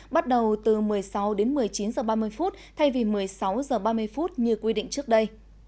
bắt đầu từ một mươi sáu đến một mươi chín giờ ba mươi phút thay vì một mươi sáu giờ ba mươi phút như quy định trước đây